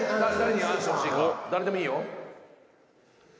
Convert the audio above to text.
「誰でもいいよ」